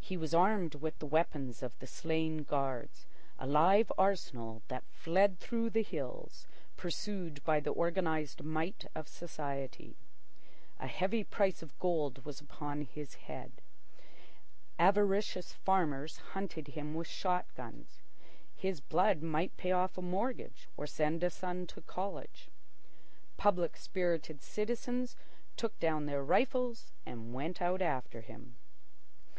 He was armed with the weapons of the slain guards—a live arsenal that fled through the hills pursued by the organised might of society. A heavy price of gold was upon his head. Avaricious farmers hunted him with shot guns. His blood might pay off a mortgage or send a son to college. Public spirited citizens took down their rifles and went out after him.